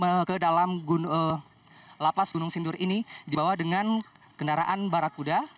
dan sekarang kita akan menunjukkan bahwa penjagaan yang sangat ketat di lapas gunung sindur ini dibawa dengan kendaraan barakuda